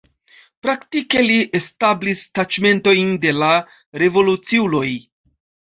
Praktike li establis taĉmentojn de la revoluciuloj.